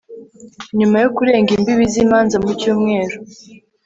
nyuma yo kurenga imbibi z'imanza mu cyumweru